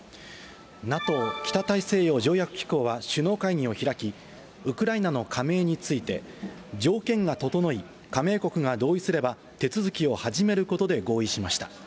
ＮＡＴＯ・北大西洋条約機構は首脳会議を開き、ウクライナの加盟について、条件が整い、加盟国が同意すれば、手続きを始めることで合意しました。